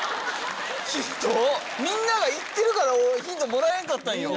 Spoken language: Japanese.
みんなが言ってるからヒントもらえんかったんよ。